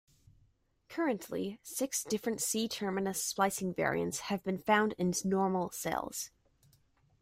Currently, six different C-terminus splicing variants have been found in normal cells.